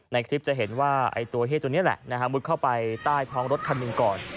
ในคลิปจะเห็นว่าตัวเฮ่ตัวนี้แหละมุดเข้าไปใต้ท้องรถคันหนึ่งก่อน